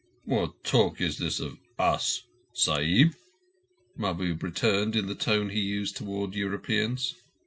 "What talk is this of us, Sahib?" Mahbub Ali returned, in the tone he used towards Europeans.